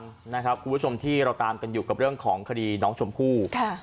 คุณผู้ชมที่เราตามกันอยู่กับเรื่องของคดีน้องชมพู่